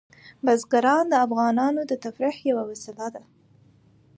بزګان د افغانانو د تفریح یوه وسیله ده.